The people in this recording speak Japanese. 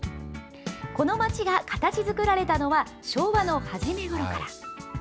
この街が形作られたのは昭和の初めごろから。